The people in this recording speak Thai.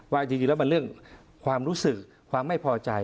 ว่าจริงแล้วมันเรื่องความรู้สึกความไม่พอใจ